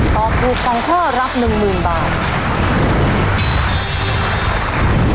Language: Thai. ตอบถูก๒ข้อรับ๑๐๐๐บาท